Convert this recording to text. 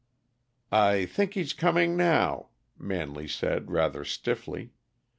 "I think he's coming now," Manley said rather stiffly.